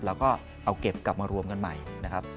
แล้วก็เอาเก็บกลับมารวมกันใหม่นะครับ